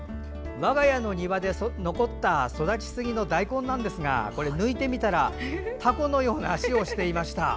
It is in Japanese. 我が家の庭で残った育ちすぎの大根ですがこれ、抜いてみたらたこのような足をしていました。